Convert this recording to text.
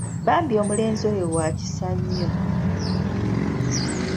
Bambi omulenzi oyo wakisa nnyo.